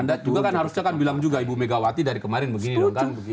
anda juga kan harusnya kan bilang juga ibu megawati dari kemarin begini kan